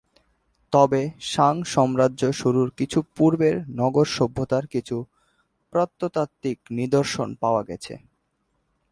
তবে শাং সাম্রাজ্য শুরুর কিছু পূর্বের নগর সভ্যতার কিছু প্রত্নতাত্ত্বিক নিদর্শন পাওয়া গেছে।